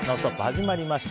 始まりました。